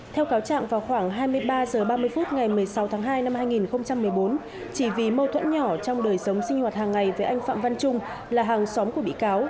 theo cáo trạng vào khoảng hai mươi ba h ba mươi phút ngày một mươi sáu tháng hai năm hai nghìn một mươi bốn chỉ vì mâu thuẫn nhỏ trong đời sống sinh hoạt hàng ngày với anh phạm văn trung là hàng xóm của bị cáo